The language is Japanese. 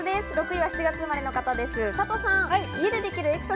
６位は７月生まれの方です、サトさん。